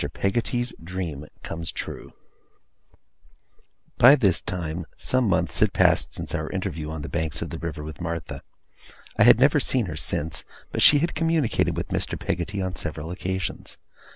PEGGOTTY'S DREAM COMES TRUE By this time, some months had passed since our interview on the bank of the river with Martha. I had never seen her since, but she had communicated with Mr. Peggotty on several occasions.